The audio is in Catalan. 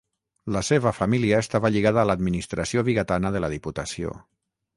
La seva família estava lligada a l'administració vigatana de la Diputació.